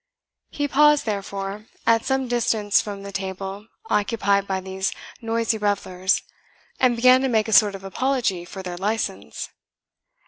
He paused, therefore, at some distance from the table occupied by these noisy revellers, and began to make a sort of apology for their license.